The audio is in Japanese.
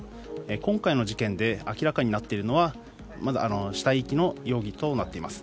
今回の事件で明らかになっているのは死体遺棄の容疑となっています。